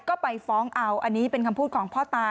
ก็ไปฟ้องเอาอันนี้เป็นคำพูดของพ่อตา